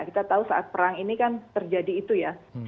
kita tahu saat perang ini kan terjadi itu ya